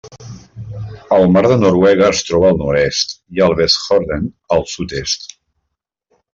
El mar de Noruega es troba al nord-oest i el Vestfjorden al sud-est.